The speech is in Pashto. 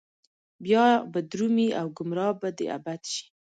بيا به درومي او ګمراه به د ابد شي